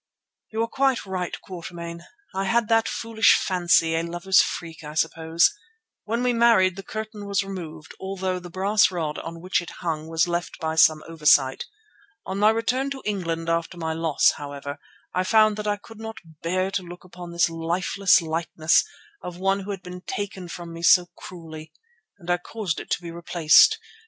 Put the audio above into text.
"You are quite right, Quatermain. I had that foolish fancy, a lover's freak, I suppose. When we married the curtain was removed although the brass rod on which it hung was left by some oversight. On my return to England after my loss, however, I found that I could not bear to look upon this lifeless likeness of one who had been taken from me so cruelly, and I caused it to be replaced.